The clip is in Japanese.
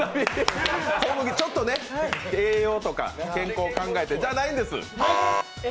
ちょっと栄養とか健康を考えてじゃないんです。